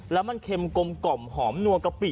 แล้วมันเค็มกลมกล่อมหอมนัวกะปิ